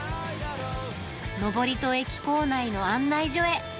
登戸駅構内の案内所へ。